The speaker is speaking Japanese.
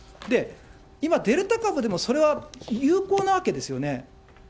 今、デルタ株でもそれは有効なわけですよね。